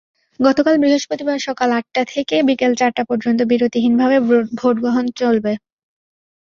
গতকাল বৃহস্পতিবার সকাল আটাটা থেকে বিকেল চারটা পর্যন্ত বিরতিহীনভাবে ভোট গ্রহণ চলে।